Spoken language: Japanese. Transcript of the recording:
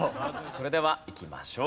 それではいきましょう。